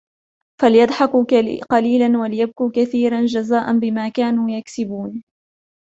فليضحكوا قليلا وليبكوا كثيرا جزاء بما كانوا يكسبون